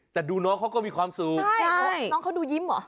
แต่ดูน้องเขาก็มีความสุขใช่น้องเขาดูยิ้มเหรอ